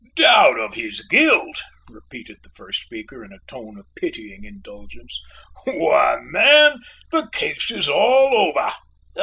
"Doubt of his guilt!" repeated the first speaker, in a tone of pitying indulgence; "why, man, the case is all over."